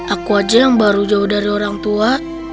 aku aja yang baru jauh dari orang tua